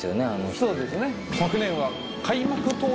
そうですね。